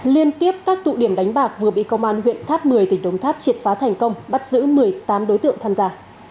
liên tiếp các tụ điểm đánh bạc vừa bị công an huyện tháp một mươi tỉnh đồng tháp triệt phá thành công bắt giữ một mươi tám đối tượng tham gia